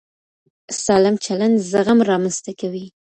سالم چلند زغم رامینځته کوي.